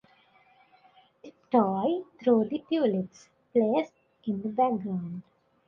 "Tiptoe Through the Tulips" plays in the background.